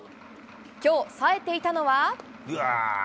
きょうさえていたのは。